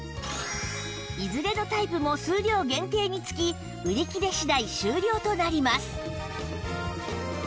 いずれのタイプも数量限定につき売り切れ次第終了となります